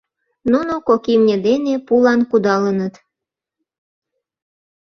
Нуно кок имне дене пулан кудалыныт.